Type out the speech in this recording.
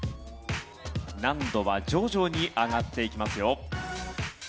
難度は徐々に上がっていきますよ。